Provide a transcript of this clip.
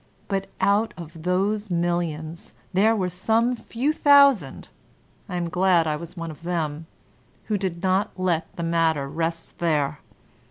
But out of those millions there were some few thousand — I am gbd I was one of them — ^who did not let the matter rest there.